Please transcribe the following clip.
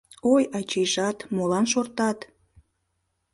Ой, ачийжат, молан шортат?